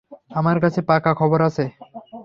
আমার কাছে পাকা খবর আছে।